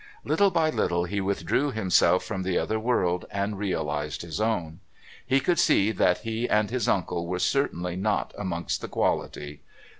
Little by little he withdrew himself from the other world and realised his own. He could see that he and his uncle were certainly not amongst the Quality.